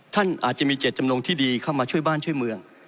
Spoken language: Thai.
ท่านอาจจะมีเจตจำนงที่ดีเข้ามาช่วยบ้านช่วยเมือง